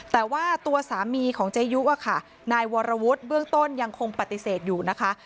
แต่ว่าตัวสามีของเจยุค่ะนายวรวุฒิเบื้องต้นยังคงปฏิเสธอยู่นะคะ